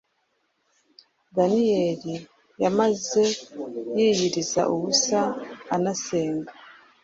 Daniyeli yamaze yiyiriza ubusa anasenga,